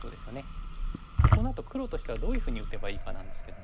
このあと黒としてはどういうふうに打てばいいかなんですけども。